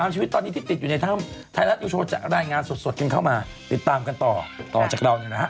ชีวิตตอนนี้ที่ติดอยู่ในถ้ำไทยรัฐนิวโชว์จะรายงานสดกันเข้ามาติดตามกันต่อติดต่อจากเราเนี่ยนะฮะ